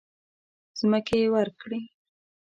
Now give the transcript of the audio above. مځکې ورکړې.